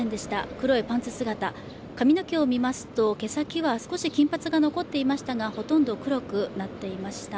黒いパンツ姿、髪の毛を見ますと毛先は少し金髪が残っていましたがほとんど黒くなっていました。